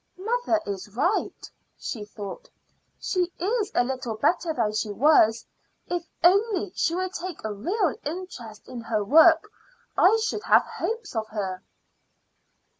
"Mother is right," she thought. "She is a little better than she was. If only she would take a real interest in her work I should have hopes of her."